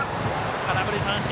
空振り三振。